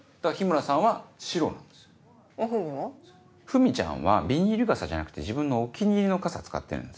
ふみちゃんはビニール傘じゃなくて自分のお気に入りの傘使ってるんですよ。